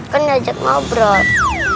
kan diajak ngobrol